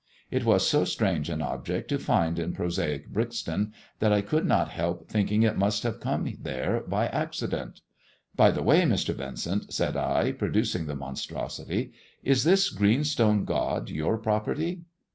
It was so strange an object to find in prosaic Brixton that I could not help thinking it must have come there by accidei^t. "By the way, Mr. Yincent," said I, producing the monstrosity, " is this green stone god your property